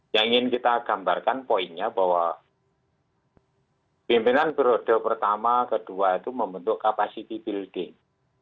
yang ingin kita gambarkan poinnya bahwa pimpinan periode pertama kedua itu membentuk capacity building